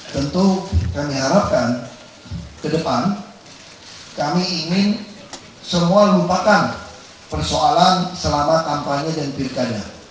tentu kami harapkan ke depan kami ingin semua lupakan persoalan selama kampanye dan pilkada